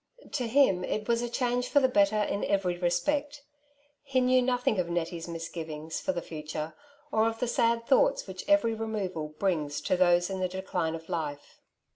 To him it was a change for the better in every respect. He knew nothing of Nettie's misgivings for the future, pr of the sad thoughts which every removal 82 •' Two Sides to every QtustwuV brings to those in the decline of life.